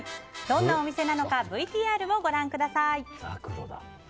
どんなお店なのかＶＴＲをご覧ください。